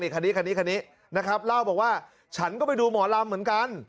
คันนี้คันนี้นะครับเล่าบอกว่าฉันก็ไปดูหมอลำเหมือนกัน